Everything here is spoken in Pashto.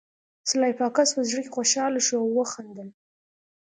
سلای فاکس په زړه کې خوشحاله شو او وخندل